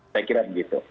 saya kira begitu